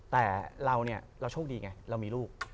แต่เราเนี่ยเราโชคดีไงเรามีลูก